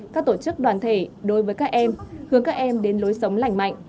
các tổ chức đoàn thể đối với các em hướng các em đến lối sống lành mạnh